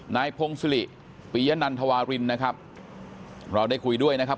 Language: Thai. นายพงศิริปียะนันทวารินนะครับเราได้คุยด้วยนะครับ